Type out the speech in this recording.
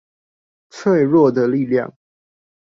脆弱的力量